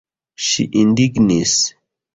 Ŝi indignis.